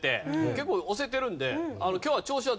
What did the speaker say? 結構押せてるので。